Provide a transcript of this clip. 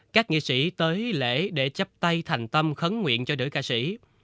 các nghệ sĩ tới lễ để chấp tay thành tâm khấn nguyện cho nữ ca sĩ